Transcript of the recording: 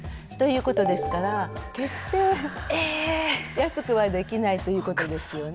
安くはできないということですよね。